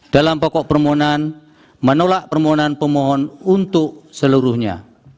dalam pokok permohonan menolak permohonan pemohon untuk seluruhnya